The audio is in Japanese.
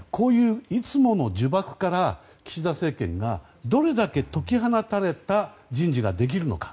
いつもの呪縛から岸田政権がどれだけ解き放たれた人事ができるのか。